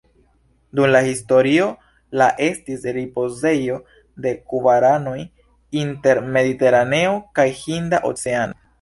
Dum la historio la estis ripozejo de karavanoj inter Mediteraneo kaj Hinda Oceano.